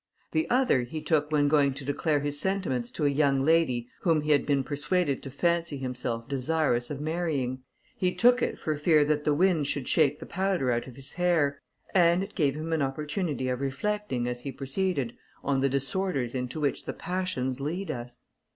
The other he took when going to declare his sentiments to a young lady whom he had been persuaded to fancy himself desirous of marrying. He took it for fear that the wind should shake the powder out of his hair, and it gave him an opportunity of reflecting, as he proceeded, on the disorders into which the passions lead us.